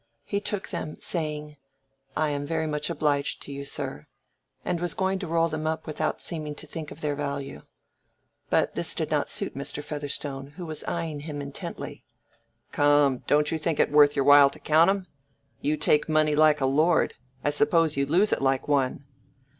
He took them, saying— "I am very much obliged to you, sir," and was going to roll them up without seeming to think of their value. But this did not suit Mr. Featherstone, who was eying him intently. "Come, don't you think it worth your while to count 'em? You take money like a lord; I suppose you lose it like one."